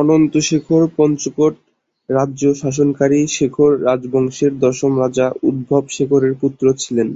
অনন্ত শেখর পঞ্চকোট রাজ্য শাসনকারী শেখর রাজবংশের দশম রাজা উদ্ধব শেখরের পুত্র ছিলেন।